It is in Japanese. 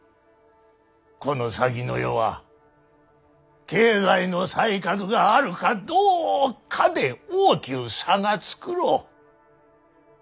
この先の世は経済の才覚があるかどうかで大きゅう差がつくろう。